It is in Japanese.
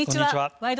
「ワイド！